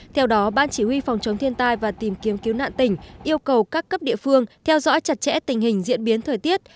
theo đó ban chỉ huy phòng chống thiên tai và tìm kiếm cứu nạn tỉnh yêu cầu các cấp địa phương theo dõi chặt chẽ tình hình diễn biến thời tiết